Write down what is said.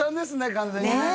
完全にねえ